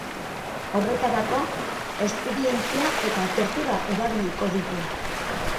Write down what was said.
Horretarako, esperientzia eta tortura erabiliko ditu.